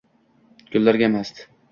Gullarga mast